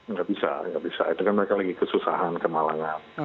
nggak bisa nggak bisa itu kan mereka lagi kesusahan kemalangan